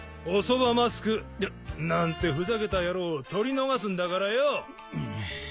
おそばマスクなんてふざけた野郎をとり逃すんだからよ。